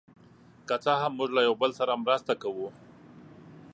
که څه هم، موږ له یو بل سره مرسته کوو.